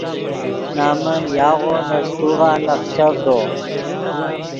نمن یاغو نے سیتوغا نخچڤدو